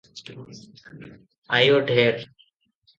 ଆୟ ଢେର ।